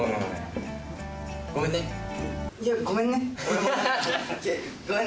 ごめんね。